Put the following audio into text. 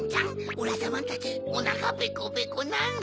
オレさまたちおなかペコペコなの。